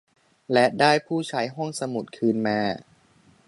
และได้ผู้ใช้ห้องสมุดคืนมา